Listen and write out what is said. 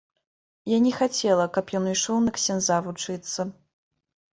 Я не хацела, каб ён ішоў на ксяндза вучыцца.